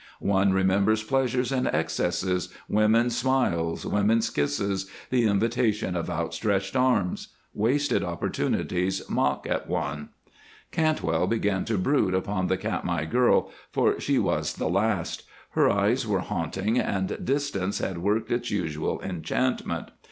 One remembers pleasures and excesses, women's smiles, women's kisses, the invitation of outstretched arms. Wasted opportunities mock at one. Cantwell began to brood upon the Katmai girl, for she was the last; her eyes were haunting and distance had worked its usual enchantment.